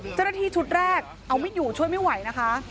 เจ้าหน้าที่ชุดแรกเอาไม่อยู่ช่วยไม่ไหวนะคะ